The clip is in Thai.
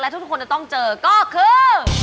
ทุกคนจะต้องเจอก็คือ